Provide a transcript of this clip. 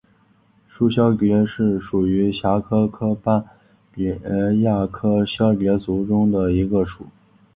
浊绡蝶属是蛱蝶科斑蝶亚科绡蝶族中的一个属。